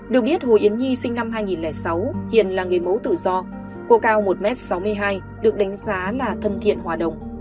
được biết hồ yến nhi sinh năm hai nghìn sáu hiện là nghề mẫu tử do cô cao một m sáu mươi hai được đánh giá là thân thiện hòa đồng